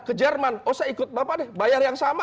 ke jerman oh saya ikut bapak deh bayar yang sama